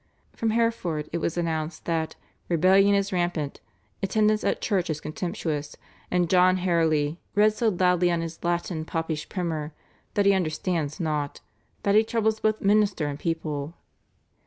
From Hereford it was announced that "rebellion is rampant, attendance at church is contemptuous, and John Hareley read so loudly on his latin popish primer (that he understands not) that he troubles both minister and people."